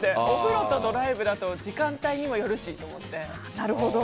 お風呂とドライブだと時間帯にもよるしと思って。